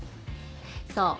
そう。